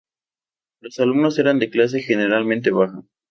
Los alumnos eran de clase generalmente baja.